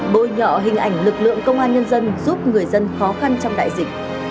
bôi nhọ hình ảnh lực lượng công an nhân dân giúp người dân khó khăn trong đại dịch